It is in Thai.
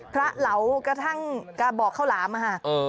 เหลากระทั่งกระบอกข้าวหลามอะค่ะ